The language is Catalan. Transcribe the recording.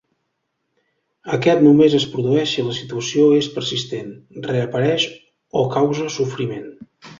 Aquest només es produeix si la situació és persistent, reapareix o causa sofriment.